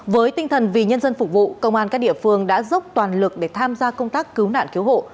với tinh thần vì nhân dân phục vụ công an các địa phương đã dốc toàn lực để tham gia công tác cứu nạn cứu hộ